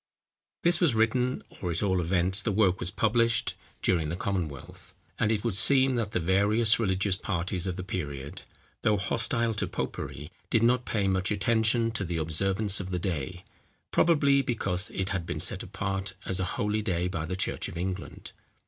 ] This was written, or, at all events, the work was published, during the Commonwealth; and it would seem that the various religious parties of the period, though hostile to popery, did not pay much attention to the observance of the day, probably because it had been set apart as a holy day by the church of England.